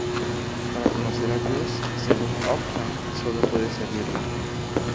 Para conocer a Dios, según Ockham, sólo puede servir la fe.